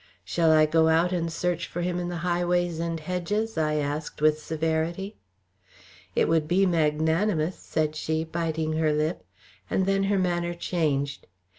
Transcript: "Shall I go out and search for him in the highways and hedges?" I asked with severity. "It would be magnanimous," said she biting her lip, and then her manner changed.